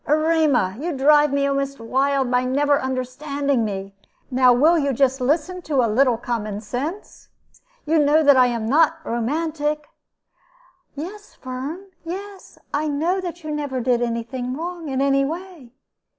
"Erema, you drive me almost wild by never understanding me. Now will you just listen to a little common sense? You know that I am not romantic." "Yes, Firm; yes, I know that you never did any thing wrong in any way."